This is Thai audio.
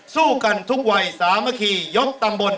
สู้กันทุกวัยสามัคคียกตำบล